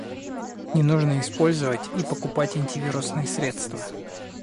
Не нужно использовать и покупать антивирусные средства